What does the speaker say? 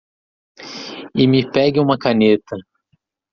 E me pegue uma caneta.